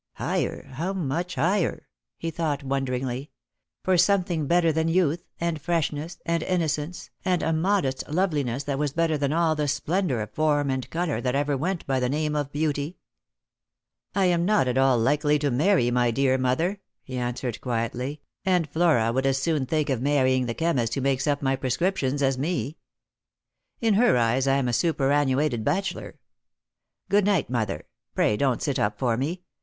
" Higher ? How much higher ?" he thought wonderingly. For something better than youth, and freshness, and inno cence, and a modest loveliness that was better than all the splendour of form and colour that ever went by the name of beauty ?" I am not at all likely to marry, my dear mother," he answered quietly ;" and Flora would as soon think of marrying the chemist who makes up my prescriptions as me. In her eyes I am a superannuated bachelor. Good night, mother. Pray don't sit up for me.